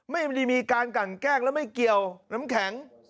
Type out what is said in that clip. ไม่ได้มีการกันแกล้งแล้วไม่เกี่ยวน้ำแข็ง